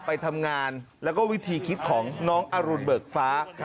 ไปทำงานแล้วก็วิธีคิดของน้องอรุณเบิกฟ้า